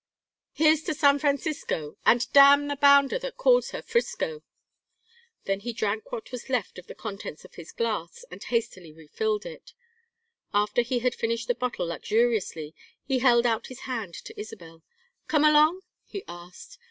Here's to San Francisco and damn the bounder that calls her 'Frisco!" Then he drank what was left of the contents of his glass and hastily refilled it. After he had finished the bottle luxuriously, he held out his hand to Isabel. "Come along?" he asked.